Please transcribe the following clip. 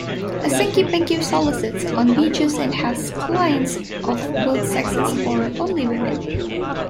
A sanky-panky solicits on beaches and has clients of both sexes or only women.